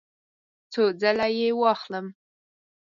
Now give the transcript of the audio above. څو ځله یی واخلم؟